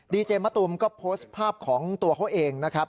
ดีเจมะตูมก็โพสต์ภาพของตัวเขาเองนะครับ